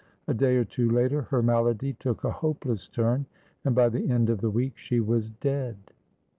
A day or two later, her malady took a hopeless turn, and by the end of the week she was dead.